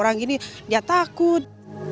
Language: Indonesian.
orang ini dia takut